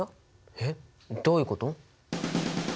えっどういうこと？